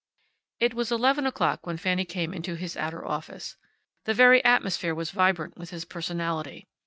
It was eleven o'clock when Fanny came into his outer office. The very atmosphere was vibrant with his personality.